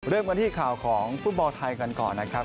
เริ่มกันที่ข่าวของฟุตบอลไทยกันก่อนนะครับ